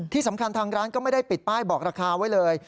ที่สำคัญทางร้านก็ไม่ได้ปิดป้ายบอกราคาไว้เลย